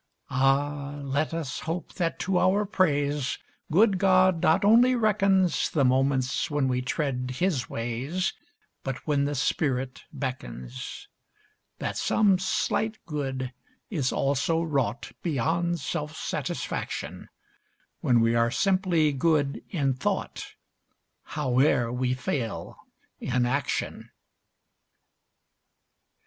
Ah! let us hope that to our praise Good God not only reckons The moments when we tread his ways, But when the spirit beckons, That some slight good is also wrought Beyond self satisfaction, When we are simply good in thought, Howe'er we fail in action.